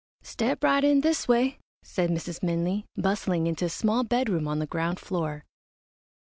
"Step right in this way," said Mrs. Minley, bustling into a small bedroom on the ground floor.